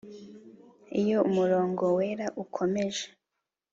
Iyo umurongo wera ukomeje